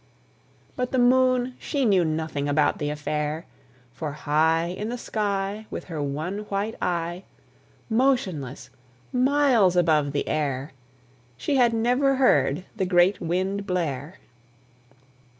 But the Moon she knew nothing about the affair; For high In the sky, With her one white eye, Motionless, miles above the air, She had never heard the great Wind blare.